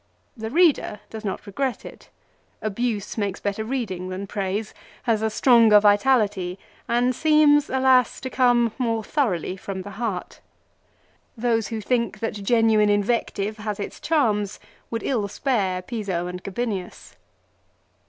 The reader does not regret it. Abuse makes better reading than praise, has a stronger vitality, and seems, alas, to come more thoroughly from the heart ! Those who think that genuine invective has its charms would ill spare Piso and Gabinius.